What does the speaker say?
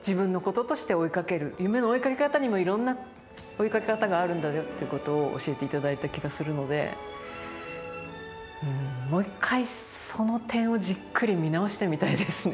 夢の追いかけ方にもいろんな追いかけ方があるんだよっていうことを教えていただいた気がするのでうんもう一回その点をじっくり見直してみたいですね